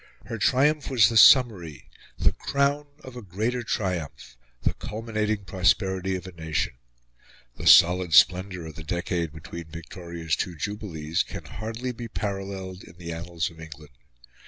Her triumph was the summary, the crown, of a greater triumph the culminating prosperity of a nation. The solid splendour of the decade between Victoria's two jubilees can hardly be paralleled in the annals of England.